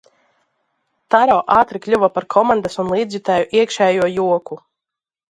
Taro ātri kļuva par komandas un līdzjutēju iekšējo joku.